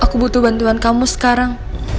aku butuh bantuan kamu sekarang